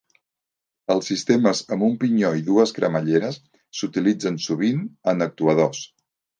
Els sistemes amb un pinyó i dues cremalleres s'utilitzen sovint en actuadors.